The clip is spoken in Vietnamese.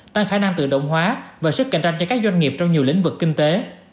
tăng khả năng tự động hóa và sức cạnh tranh cho các doanh nghiệp trong nhiều lĩnh vực kinh tế